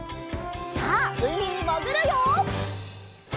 さあうみにもぐるよ！